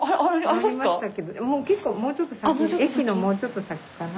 ありましたけど結構もうちょっと先駅のもうちょっと先かな。